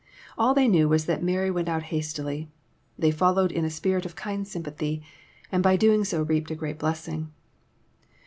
All they knew was that Mary went out hastily. They followed in a spirit of kind sympathy, and by so doing reaped a great blessing.